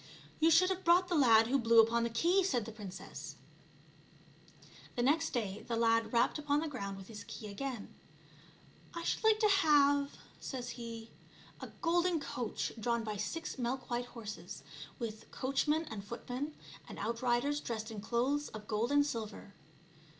" You should have brought the lad who blew upon the key," said the princess. The next day the lad rapped upon the ground with his key again. " I should like to have/' says he, " a golden coach drawn by six milk white horses, with coachman and footman and out riders dressed in clothes of gold and silver."